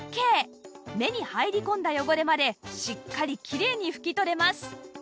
目に入り込んだ汚れまでしっかりきれいに拭き取れます